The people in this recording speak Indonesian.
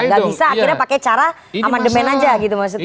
gak bisa akhirnya pakai cara amandemen aja gitu maksudnya